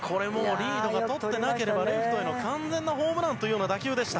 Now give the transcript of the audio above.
リードがとってなければレフトへの完全なホームランという打球でした。